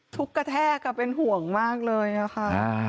ทุกกระแทกอ่ะเป็นห่วงมากเลยนะคะ